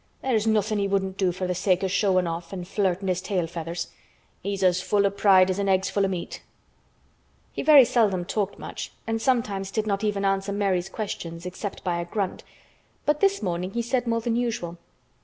There's nothin' he wouldn't do for th' sake o' showin' off an' flirtin' his tail feathers. He's as full o' pride as an egg's full o' meat." He very seldom talked much and sometimes did not even answer Mary's questions except by a grunt, but this morning he said more than usual.